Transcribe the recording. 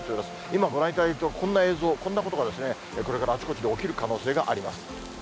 今、ご覧いただいている、こんな映像、こんなことが、これからあちこちで起きる可能性があります。